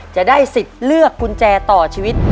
จะได้สิทธิ์เลือกกุญแจต่อชีวิต